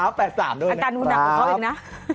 อาการดูหนักของเขาเองนะ